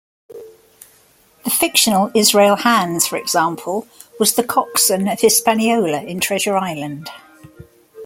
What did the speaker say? The fictional Israel Hands, for example, was the coxswain of "Hispaniola" in "Treasure Island".